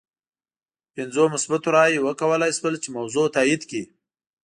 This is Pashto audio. پنځو مثبتو رایو وکولای شول چې موضوع تایید کړي.